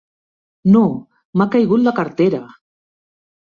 No! M'ha caigut la cartera!